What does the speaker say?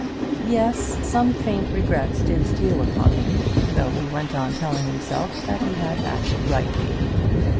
Yes; some faint regrets did steal upon him, though he went on telling himself that he had acted rightly.